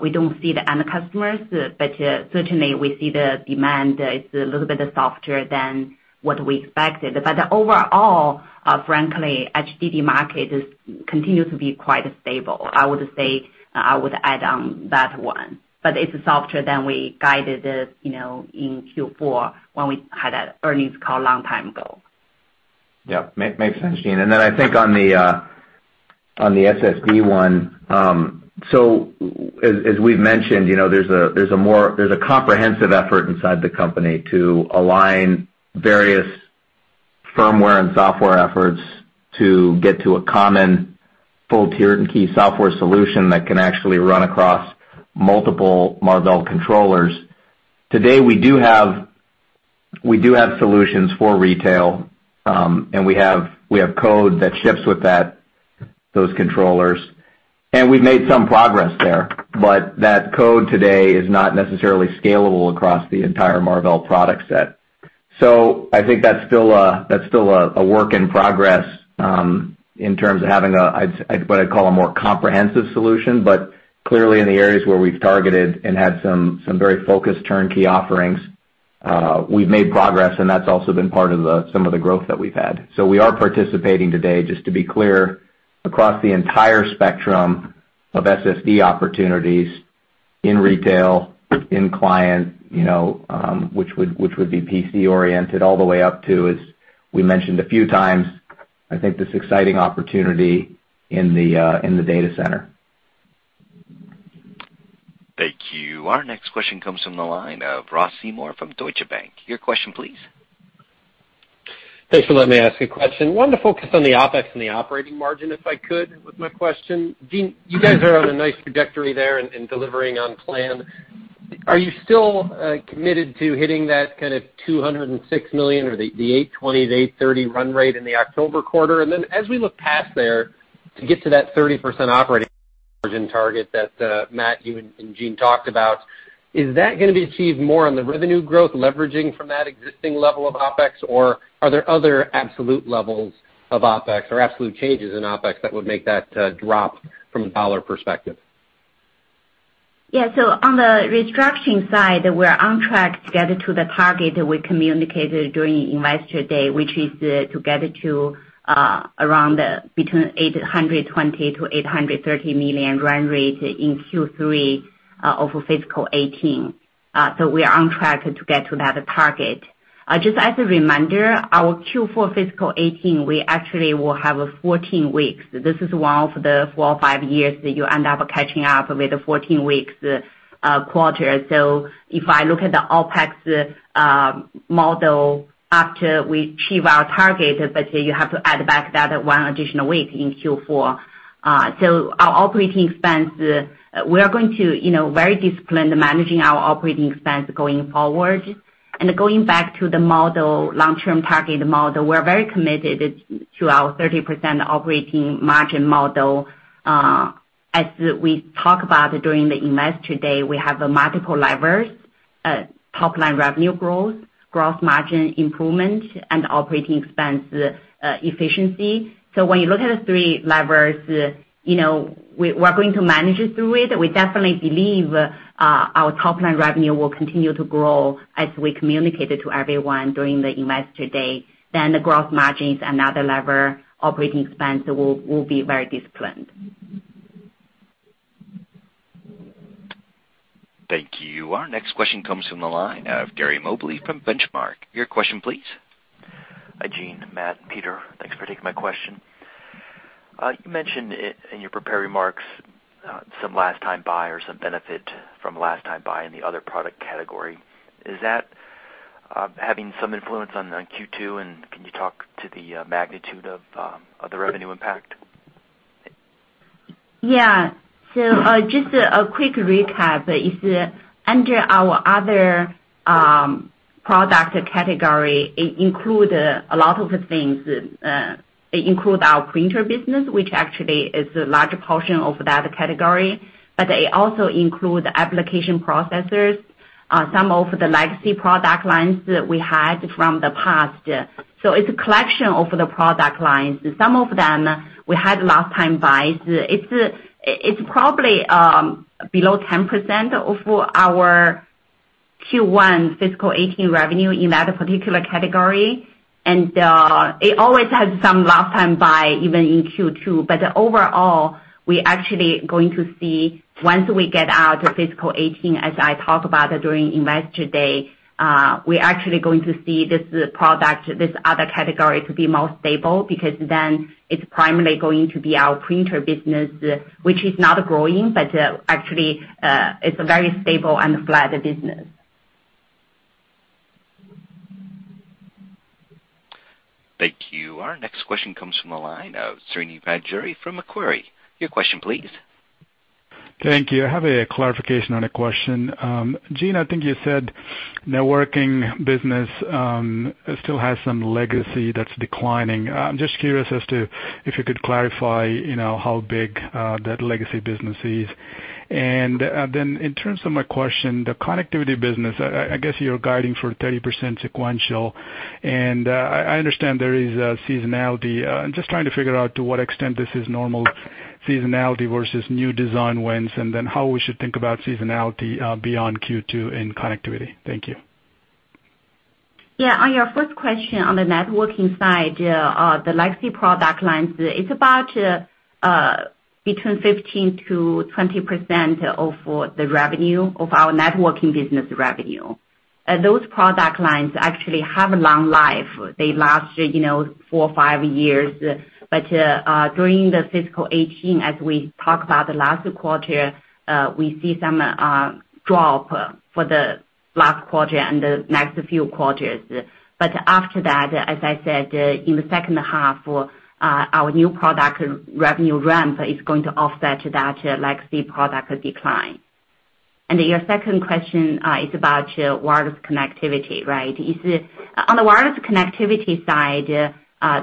we don't see the end customers, but certainly we see the demand is a little bit softer than what we expected. Overall, frankly, HDD market continues to be quite stable, I would say, I would add on that one. It's softer than we guided it, in Q4 when we had that earnings call a long time ago.
Yep, makes sense, Jean. Then I think on the SSD one, as we've mentioned, there's a comprehensive effort inside the company to align various firmware and software efforts to get to a common full turnkey software solution that can actually run across multiple Marvell controllers. Today, we do have solutions for retail, and we have code that ships with those controllers. We've made some progress there, but that code today is not necessarily scalable across the entire Marvell product set. I think that's still a work in progress in terms of having what I'd call a more comprehensive solution, but clearly in the areas where we've targeted and had some very focused turnkey offerings, we've made progress and that's also been part of some of the growth that we've had. We are participating today, just to be clear, across the entire spectrum of SSD opportunities in retail, in client, which would be PC-oriented all the way up to, as we mentioned a few times, I think this exciting opportunity in the data center.
Thank you. Our next question comes from the line of Ross Seymore from Deutsche Bank. Your question, please.
Thanks for letting me ask a question. Wanted to focus on the OPEX and the operating margin, if I could, with my question. Jean, you guys are on a nice trajectory there in delivering on plan. Are you still committed to hitting that kind of $206 million or the $820 million-$830 million run rate in the October quarter? As we look past there to get to that 30% operating margin target that Matt, you, and Jean talked about, is that going to be achieved more on the revenue growth leveraging from that existing level of OPEX? Are there other absolute levels of OPEX or absolute changes in OPEX that would make that drop from a dollar perspective?
On the restructuring side, we're on track to get to the target we communicated during Investor Day, which is to get to around between $820 million-$830 million run rate in Q3 of fiscal 2018. We are on track to get to that target. Just as a reminder, our Q4 fiscal 2018, we actually will have 14 weeks. This is one of the four or five years that you end up catching up with 14 weeks quarter. If I look at the OPEX model after we achieve our target, but you have to add back that one additional week in Q4. Our operating expense, we are going to very disciplined managing our operating expense going forward. Going back to the long-term target model, we're very committed to our 30% operating margin model. As we talked about during the Investor Day, we have multiple levers, top-line revenue growth, gross margin improvement, and operating expense efficiency. When you look at the three levers, we're going to manage through it. We definitely believe our top-line revenue will continue to grow as we communicated to everyone during the Investor Day. The growth margins, another lever, operating expense will be very disciplined.
Thank you. Our next question comes from the line of Gary Mobley from Benchmark. Your question, please.
Hi, Jean, Matt, and Peter. Thanks for taking my question. You mentioned in your prepared remarks some last-time buy or some benefit from last-time buy in the other product category. Is that having some influence on Q2, and can you talk to the magnitude of the revenue impact?
Yeah. Just a quick recap is under our other product category, it include a lot of things. It include our printer business, which actually is a large portion of that category, but it also include application processors, some of the legacy product lines that we had from the past. It's a collection of the product lines. Some of them we had last-time buys. It's probably below 10% of our Q1 fiscal 2018 revenue in that particular category, and it always has some last-time buy even in Q2. Overall, we're actually going to see once we get out to fiscal 2018, as I talked about during Investor Day, we're actually going to see this product, this other category, to be more stable, because then it's primarily going to be our printer business, which is not growing, but actually, it's a very stable and flat business.
Thank you. Our next question comes from the line of Srini Pajjuri from Macquarie. Your question please.
Thank you. I have a clarification on a question. Jean, I think you said networking business still has some legacy that's declining. I'm just curious as to if you could clarify how big that legacy business is. In terms of my question, the connectivity business, I guess you're guiding for 30% sequential, and I understand there is a seasonality. I'm just trying to figure out to what extent this is normal seasonality versus new design wins, and then how we should think about seasonality beyond Q2 in connectivity. Thank you.
Yeah. On your first question on the networking side, the legacy product lines, it's about between 15%-20% of the revenue of our networking business revenue. Those product lines actually have a long life. They last four or five years. During the fiscal 2018, as we talked about the last quarter, we see some drop for the last quarter and the next few quarters. After that, as I said, in the second half, our new product revenue ramp is going to offset that legacy product decline. Your second question is about wireless connectivity, right? On the wireless connectivity side,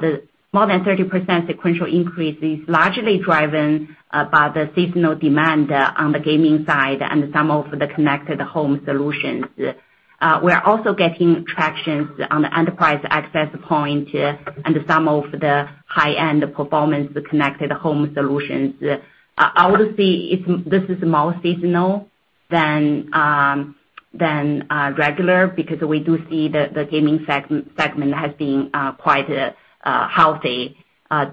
the more than 30% sequential increase is largely driven by the seasonal demand on the gaming side and some of the connected home solutions. We're also getting traction on the enterprise access point and some of the high-end performance connected home solutions. I would say this is more seasonal than regular because we do see the gaming segment has been quite healthy.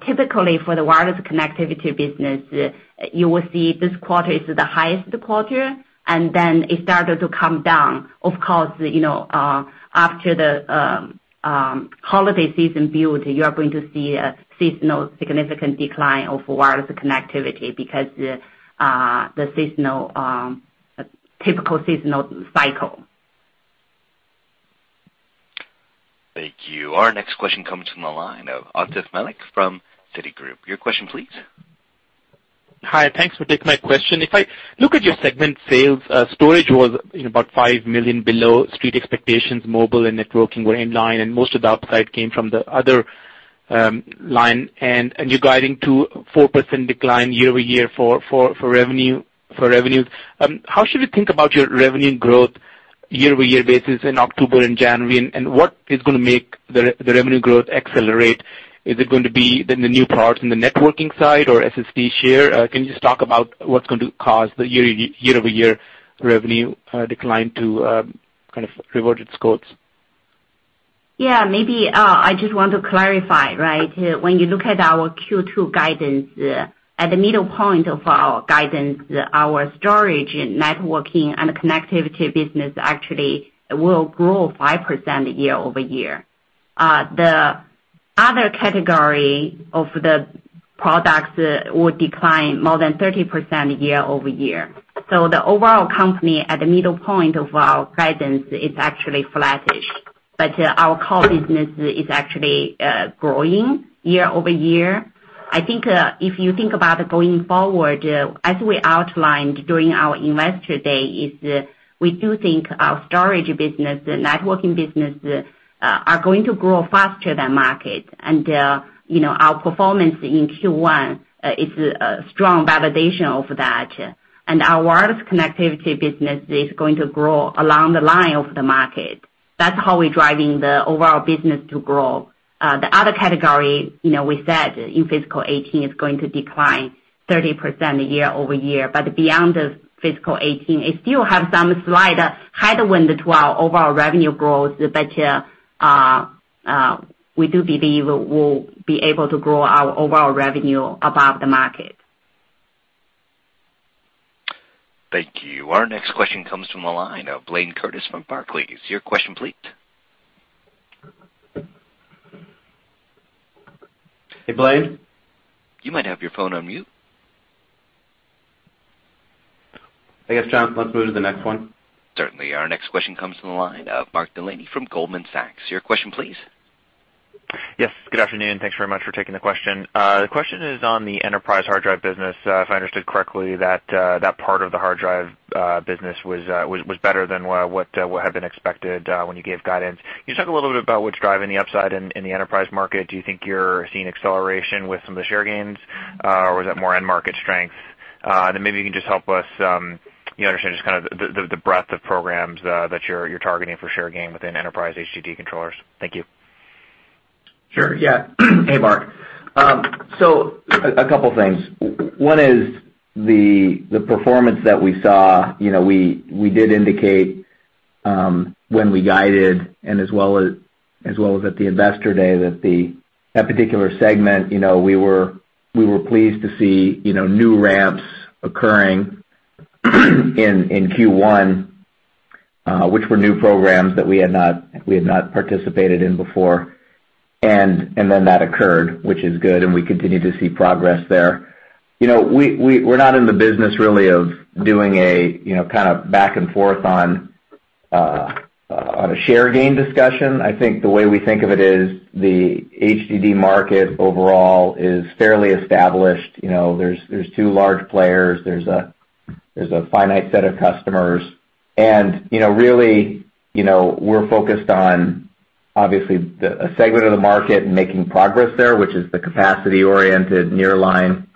Typically, for the wireless connectivity business, you will see this quarter is the highest quarter, then it started to come down. Of course, after the holiday season build, you are going to see a seasonal significant decline of wireless connectivity because the typical seasonal cycle.
Thank you. Our next question comes from the line of Atif Malik from Citigroup. Your question please.
Hi. Thanks for taking my question. If I look at your segment sales, storage was about $5 million below street expectations. Mobile and networking were in line, and most of the upside came from the other line, and you're guiding to 4% decline year-over-year for revenues. How should we think about your revenue growth year-over-year basis in October and January, and what is going to make the revenue growth accelerate? Is it going to be the new products in the networking side or SSD share? Can you just talk about what's going to cause the year-over-year revenue decline to kind of revert its course?
Yeah. Maybe I just want to clarify, right? When you look at our Q2 guidance, at the middle point of our guidance, our storage and networking and connectivity business actually will grow 5% year-over-year. The other category of the products will decline more than 30% year-over-year. The overall company at the middle point of our guidance is actually flattish. Our core business is actually growing year-over-year. I think if you think about going forward, as we outlined during our Investor Day, is we do think our storage business, networking business are going to grow faster than market. Our performance in Q1 is a strong validation of that. Our wireless connectivity business is going to grow along the line of the market. That's how we're driving the overall business to grow. The other category, we said in fiscal 2018, is going to decline 30% year-over-year. Beyond the fiscal 2018, it still have some slight headwind to our overall revenue growth, but we do believe we'll be able to grow our overall revenue above the market.
Thank you. Our next question comes from the line of Blayne Curtis from Barclays. Your question please.
Hey, Blayne?
You might have your phone on mute.
I guess, John, let's move to the next one.
Certainly. Our next question comes from the line of Mark Delaney from Goldman Sachs. Your question please.
Yes, good afternoon. Thanks very much for taking the question. The question is on the enterprise hard drive business. If I understood correctly, that part of the hard drive business was better than what had been expected when you gave guidance. Can you talk a little bit about what's driving the upside in the enterprise market? Do you think you're seeing acceleration with some of the share gains, or was that more end market strength? Maybe you can just help us understand just the breadth of programs that you're targeting for share gain within enterprise HDD controllers. Thank you.
Sure. Yeah. Hey, Mark. A couple things. One is the performance that we saw, we did indicate, when we guided and as well as at the investor day, that that particular segment we were pleased to see new ramps occurring in Q1, which were new programs that we had not participated in before. That occurred, which is good, and we continue to see progress there. We're not in the business really of doing a back and forth on a share gain discussion. The way we think of it is the HDD market overall is fairly established. There's two large players. There's a finite set of customers. Really, we're focused on, obviously, a segment of the market and making progress there, which is the capacity-oriented nearline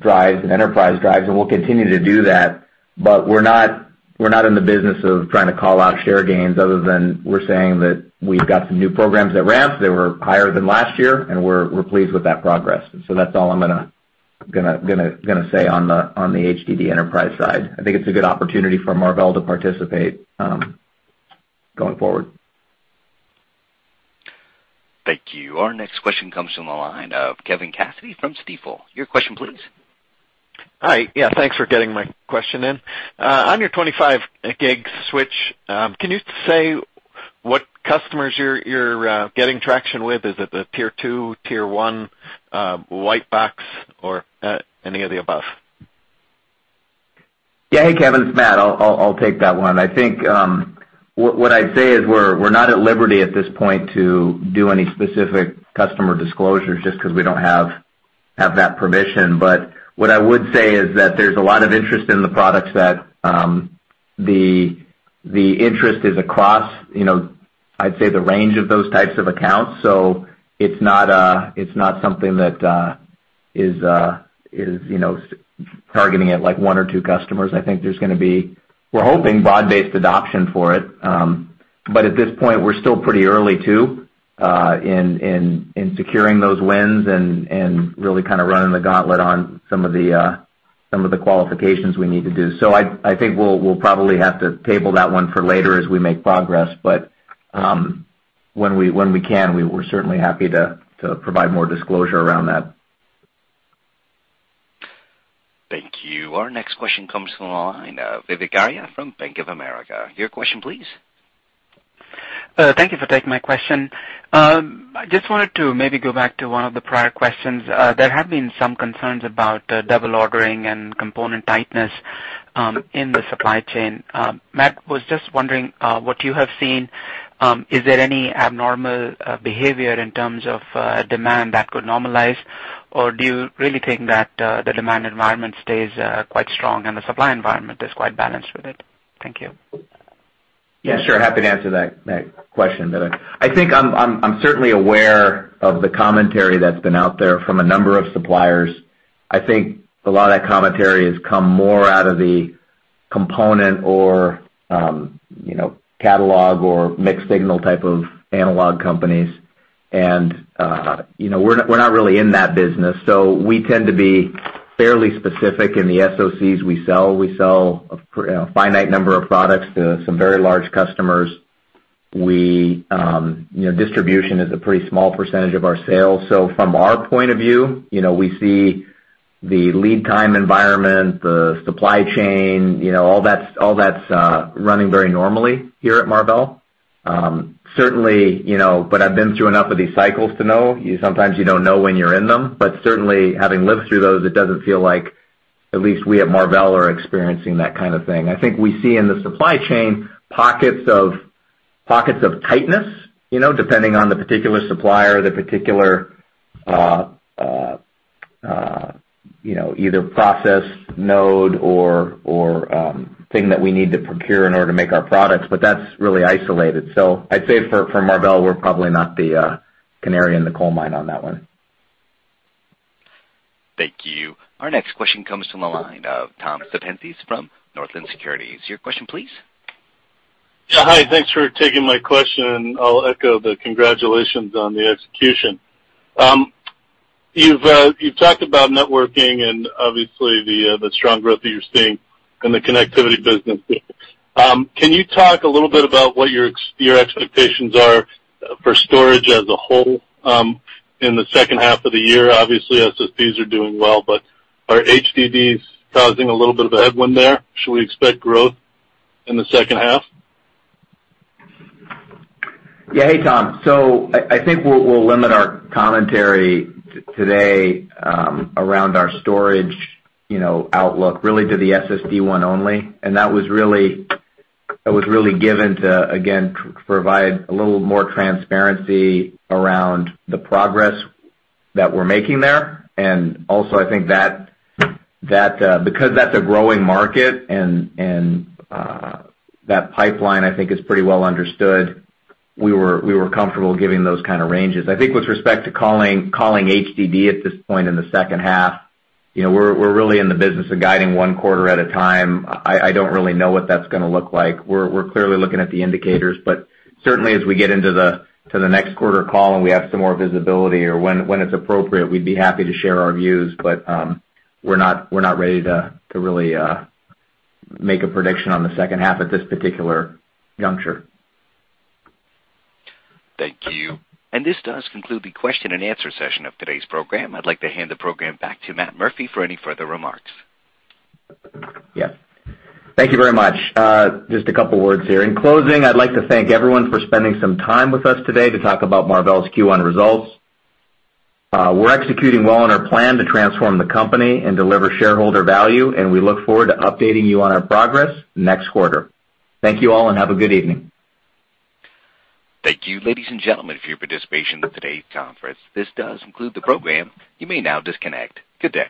drives and enterprise drives, and we'll continue to do that. We're not in the business of trying to call out share gains other than we're saying that we've got some new programs that ramped, that were higher than last year, and we're pleased with that progress. That's all I'm going to say on the HDD enterprise side. I think it's a good opportunity for Marvell to participate going forward.
Thank you. Our next question comes from the line of Kevin Cassidy from Stifel. Your question, please.
Hi. Thanks for getting my question in. On your 25 Gig switch, can you say what customers you're getting traction with? Is it the tier 2, tier 1, white box, or any of the above?
Hey, Kevin, it's Matt. I'll take that one. I think what I'd say is we're not at liberty at this point to do any specific customer disclosures just because we don't have that permission. What I would say is that there's a lot of interest in the products, that the interest is across I'd say the range of those types of accounts. It's not something that is targeting at one or two customers. I think there's going to be, we're hoping, broad-based adoption for it. At this point, we're still pretty early, too, in securing those wins and really kind of running the gauntlet on some of the qualifications we need to do. I think we'll probably have to table that one for later as we make progress. When we can, we're certainly happy to provide more disclosure around that.
Thank you. Our next question comes from the line of Vivek Arya from Bank of America. Your question, please.
Thank you for taking my question. I just wanted to maybe go back to one of the prior questions. There have been some concerns about double ordering and component tightness in the supply chain. Matt, was just wondering what you have seen. Is there any abnormal behavior in terms of demand that could normalize, or do you really think that the demand environment stays quite strong and the supply environment is quite balanced with it? Thank you.
Yeah, sure. Happy to answer that question, Vivek. I think I'm certainly aware of the commentary that's been out there from a number of suppliers. I think a lot of that commentary has come more out of the component or catalog or mixed signal type of analog companies. We're not really in that business, so we tend to be fairly specific in the SoCs we sell. We sell a finite number of products to some very large customers. Distribution is a pretty small percentage of our sales. From our point of view, we see the lead time environment, the supply chain, all that's running very normally here at Marvell. Certainly, I've been through enough of these cycles to know sometimes you don't know when you're in them, certainly having lived through those, it doesn't feel like at least we at Marvell are experiencing that kind of thing. I think we see in the supply chain pockets of tightness, depending on the particular supplier, the particular either process node or thing that we need to procure in order to make our products, but that's really isolated. I'd say for Marvell, we're probably not the canary in the coal mine on that one.
Thank you. Our next question comes from the line of Tom Sepenzis from Northland Securities. Your question, please.
Yeah. Hi, thanks for taking my question. I'll echo the congratulations on the execution. You've talked about networking and obviously the strong growth that you're seeing in the connectivity business. Can you talk a little bit about what your expectations are for storage as a whole in the second half of the year? Obviously, SSDs are doing well, but are HDDs causing a little bit of a headwind there? Should we expect growth in the second half?
Yeah. Hey, Tom. I think we'll limit our commentary today around our storage outlook really to the SSD one only. That was really given to, again, provide a little more transparency around the progress that we're making there. Also, I think that because that's a growing market and that pipeline, I think, is pretty well understood, we were comfortable giving those kind of ranges. I think with respect to calling HDD at this point in the second half, we're really in the business of guiding one quarter at a time. I don't really know what that's going to look like. We're clearly looking at the indicators, certainly as we get into the next quarter call and we have some more visibility, or when it's appropriate, we'd be happy to share our views. We're not ready to really make a prediction on the second half at this particular juncture.
Thank you. This does conclude the question and answer session of today's program. I'd like to hand the program back to Matt Murphy for any further remarks.
Yeah. Thank you very much. Just a couple words here. In closing, I'd like to thank everyone for spending some time with us today to talk about Marvell's Q1 results. We're executing well on our plan to transform the company and deliver shareholder value. We look forward to updating you on our progress next quarter. Thank you all. Have a good evening.
Thank you, ladies and gentlemen, for your participation in today's conference. This does conclude the program. You may now disconnect. Good day.